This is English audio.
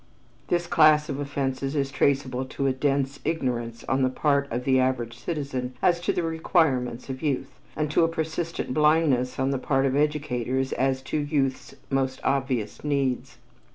This class of offenses is traceable to a dense ignorance on the part of the average citizen as to the requirements of youth, and to a persistent blindness on the part of educators as to youth's most obvious needs.